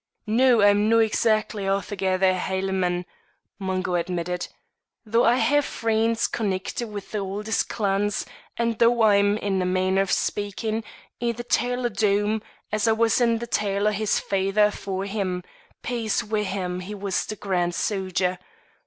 "No, I'm no' exactly a'thegether a Hielan'man," Mungo admitted, "though I hae freends con nekit wi' the auldest clans, and though I'm, in a mainner o' speakin', i' the tail o' Doom, as I was i' the tail o' his faither afore him peace wi' him, he was the grand soger!